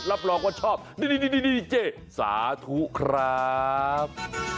รับรองว่าชอบนี่เจ๊สาธุครับ